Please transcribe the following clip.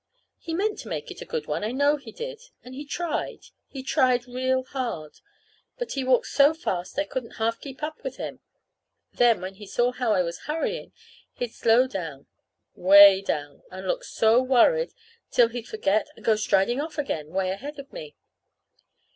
He meant to make it a good one; I know he did. And he tried. He tried real hard. But he walked so fast I couldn't half keep up with him; then, when he saw how I was hurrying, he'd slow down, 'way down, and look so worried till he'd forget and go striding off again, way ahead of me.